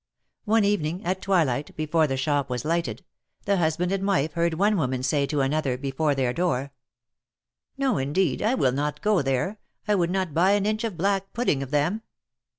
One evening, at twilight, before the shop was lighted, the husband and wife heard one woman say to another, before their door : No, indeed, I will not go there. I would not buy an inch of black pudding of them."